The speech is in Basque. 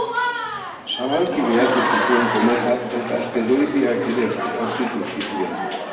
Zabalki behatu zituen kometak, eta asteroideak ere aurkitu zituen.